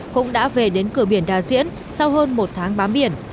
cũng đã về đến cửa biển đa diễn sau hơn một tháng bám biển